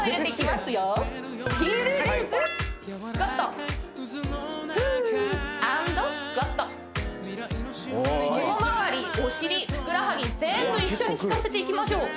まわりお尻ふくらはぎ全部一緒にきかせていきましょう